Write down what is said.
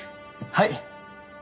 はい。